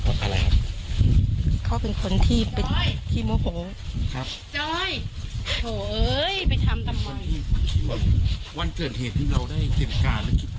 วันเกิดเหตุที่เราได้เตรียมการแล้วคิดอะไรบ้าง